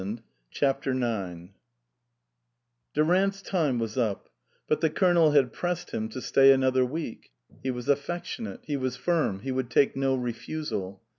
91 CHAPTER IX DURANT'S time was up, but the Colonel had pressed him to stay another week. He was affectionate ; he was firm ; he would take no refusal.